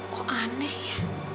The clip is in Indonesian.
kok aneh ya